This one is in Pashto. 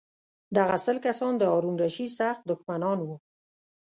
دغه سل کسان د هارون الرشید سخت دښمنان وو.